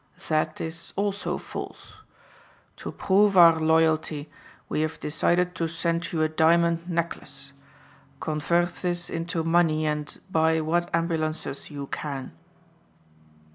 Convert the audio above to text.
That is also false. To prove our loyalty we have decided to send you a diamond necklace. Convert this into money and buy what ambulances you can."